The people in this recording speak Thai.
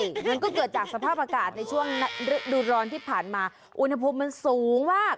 มันก็เกิดจากสภาพอากาศในช่วงฤดูร้อนที่ผ่านมาอุณหภูมิมันสูงมาก